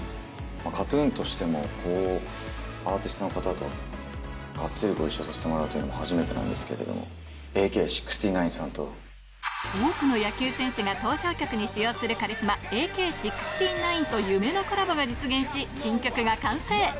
ＫＡＴーＴＵＮとしても、アーティストの方とがっつりご一緒させてもらうというのは初めてなんですけれども、多くの野球選手が登場曲に使用するカリスマ、ＡＫー６９と夢のコラボが実現し、新曲が完成。